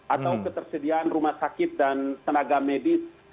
atau ketersediaan rumah sakit dan tenaga medis